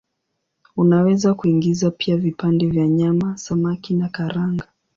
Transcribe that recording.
Unaweza kuingiza pia vipande vya nyama, samaki na karanga.